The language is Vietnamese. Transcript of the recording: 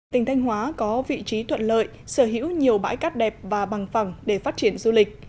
tỉnh thanh hóa có vị trí thuận lợi sở hữu nhiều bãi cát đẹp và bằng phẳng để phát triển du lịch